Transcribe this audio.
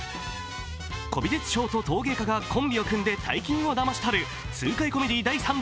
古美術商と陶芸家がコンビを君で大金をだまし取る、痛快コメディー第３弾。